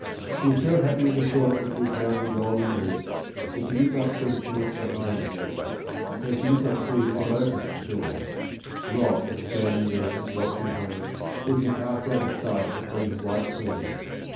She was so happy in the thought that she had found the golden leaf, that she did not think to look behind her, so she did not see what the locusts saw Rob standing there watching her, till she passed out of sight between the white pillars.